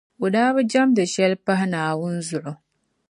O daa bi jεmdi shɛli m-pahi Naawuni zuɣu.